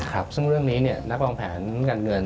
ครับซึ่งเรื่องนี้เนี่ยนักวางแผนการเงิน